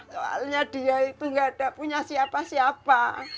soalnya dia itu nggak punya siapa siapa